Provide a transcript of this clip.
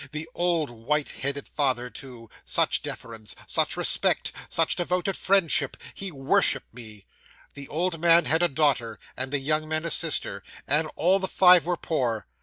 The old, white headed father, too such deference such respect such devoted friendship he worshipped me! The old man had a daughter, and the young men a sister; and all the five were poor.